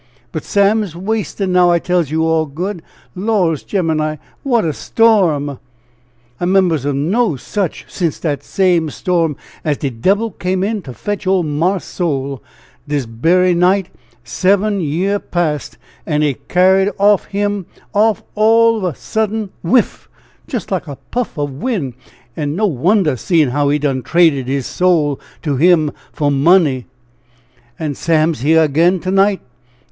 But Sam's waystin' now, I tells you all good. Lors Gemini, what a storm! [Footnote A: Waysting Going up and down.] "I 'members of no sich since dat same storm as de debbil come in to fetch ole marse's soul dis berry night seven year past, an' he carried of him off all in a suddint whiff! jist like a puff of win'. An' no wonder, seein' how he done traded his soul to him for money! "An' Sam's here ag'in to night!